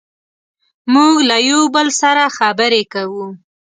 موږ له یو بل سره خبرې کوو.